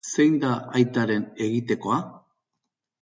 Zein da aitaren egitekoa?